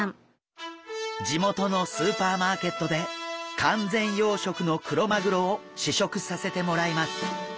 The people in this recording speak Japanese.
地元のスーパーマーケットで完全養殖のクロマグロを試食させてもらいます。